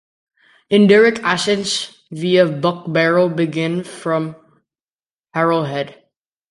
Indirect ascents via Buckbarrow begin from Harrow Head.